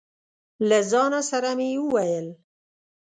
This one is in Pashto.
له ځانه سره مې وويل: